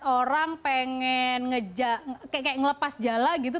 orang pengen kayak ngelepas jala gitu